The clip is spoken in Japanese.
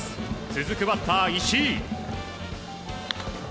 続くバッター石井。